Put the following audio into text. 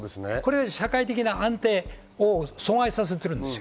社会的な安定を阻害させている。